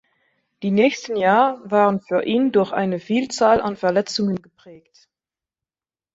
Die nächsten Jahr waren für ihn durch eine Vielzahl an Verletzungen geprägt.